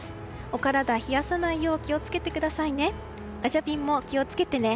お体、冷やさないよう気を付けてくださいね。